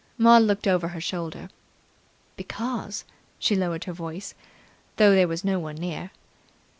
Maud looked over her shoulder. "Because " She lowered her voice, though there was no one near.